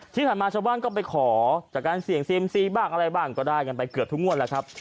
ที่ผ่านมาชาวบ้านก็ไปขอจากการเสี่ยงเซียมซีบ้างอะไรบ้างก็ได้กันไปเกือบทุกงวดแล้วครับ